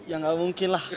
ya gak mungkin lah